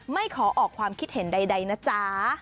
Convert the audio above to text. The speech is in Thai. ไม่ขอออกความคิดเห็นใดนะจ๊ะ